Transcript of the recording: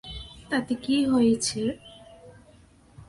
তাতে কী হয়েছে?